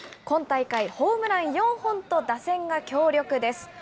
今大会、ホームラン４本と、打線が強力です。